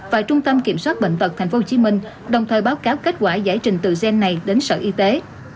và trung tâm kiểm soát bệnh tật tp hcm đồng thời báo cáo kết quả giải trình từ gen này đến sở y tế